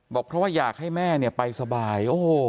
บอกเพราะว่าอยากให้แม่เนี่ยไปสบาย